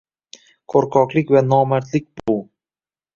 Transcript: qo‘rqoqlik va nomardlik bu.